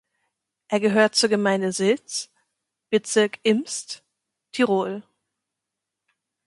Er gehört zur Gemeinde Silz, Bezirk Imst, Tirol.